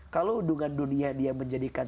kalau hubungan dunia dia menjadikan